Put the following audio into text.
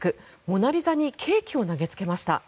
「モナ・リザ」にケーキを投げつけました。